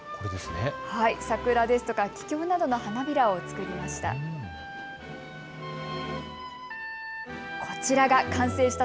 桜ですとかききょうなどの花びらを作りました。